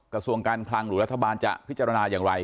กระทรวงการคลังหรือรัฐบาลจะพิจารณาอย่างไร